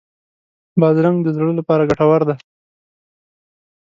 بادرنګ د زړه لپاره ګټور دی.